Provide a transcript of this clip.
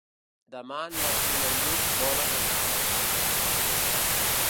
Demà en Martí i en Lluc volen anar a la platja.